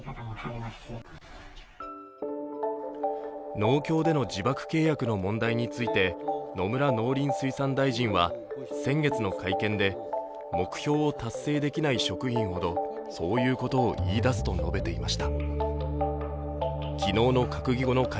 農協での自爆契約の問題について野村農林水産大臣は先月の会見で目標を達成できない職員ほどそういうことを言い出すと述べていました。